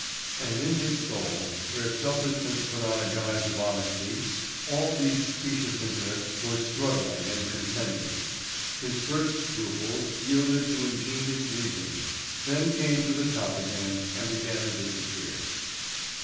And in his soul, where selfishness put on a guise of honesty, all these specious interests were struggling and contending. His first scruples yielded to ingenious reasoning, then came to the top again, and again disappeared.